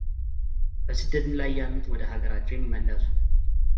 በስደትም ላይ ያሉት ወደ ሃገራቸው ይመለሱ፡፡